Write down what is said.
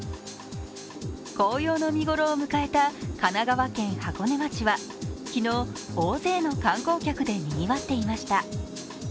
紅葉の見頃を迎えた神奈川県箱根町は、昨日、大勢の観光客でにぎわっていました。